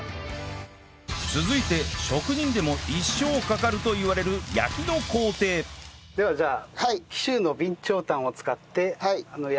続いて職人でも一生かかるといわれる焼きの工程じゃあ紀州の備長炭を使って焼いていきましょう。